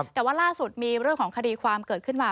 แต่ว่าล่าสุดมีเรื่องของคดีความเกิดขึ้นมา